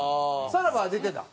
さらばは出てた？